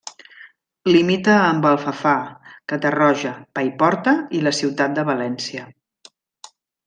Limita amb Alfafar, Catarroja, Paiporta i la ciutat de València.